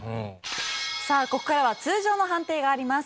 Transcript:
さあここからは通常の判定があります。